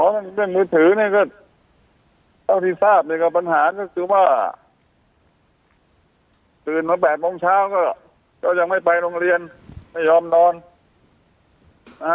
อ๋อมันเป็นมือถือนี่ก็ต้องที่ทราบไปกับปัญหาก็คือว่าตื่นเมื่อ๘โมงเช้าก็ยังไม่ไปโรงเรียนไม่ยอมนอน